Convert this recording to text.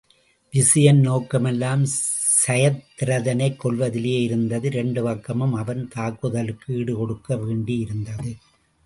விசயன் நோக்கமெல்லாம் சயத்திரதனைக் கொல்வதிலேயே இருந்தது இரண்டு பக்கமும் அவன் தாக்குதலுக்கு ஈடுகொடுக்க வேண்டி இருந்தது.